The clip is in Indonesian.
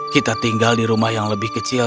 kita tinggal di rumah yang lebih kecil